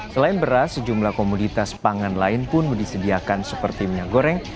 selain beras sejumlah komoditas pangan lain pun disediakan seperti minyak goreng